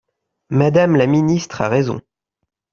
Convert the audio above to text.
Madame la ministre a raison